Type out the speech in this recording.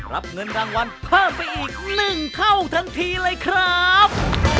รับเงินรางวัลเพิ่มไปอีก๑เท่าทันทีเลยครับ